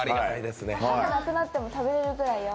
歯がなくなっても食べられるくらい。